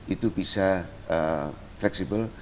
itu bisa fleksibel